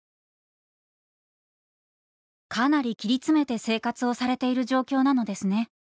「かなり切り詰めて生活をされている状況なのですね。